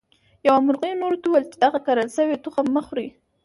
یوه مرغۍ نورو ته وویل چې دغه کرل شوي تخم مه خورئ.